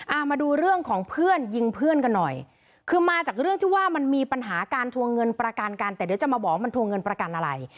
เอามาดูเรื่องของเพื่อนยิงเพื่อนกันหน่อยคือมาจากเรื่องที่ว่ามันมีปัญหาการทวงเงินประกันกันแต่เดี๋ยวจะมาบอกว่ามันทวงเงินประกันอะไร